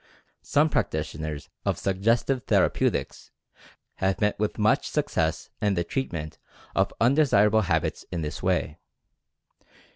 Some practitioners of Suggestive Therapeutics have met with much success in the treatment of unde sirable habits in this way.